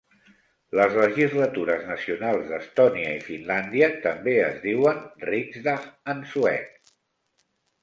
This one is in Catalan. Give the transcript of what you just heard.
Les legislatures nacionals d'Estònia i Finlàndia també es diuen Riksdag en suec.